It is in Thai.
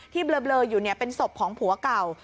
ที่เบลออยู่เนี่ยเป็นสบของผัวเก่า